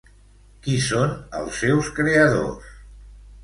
Qui són els seus creadors?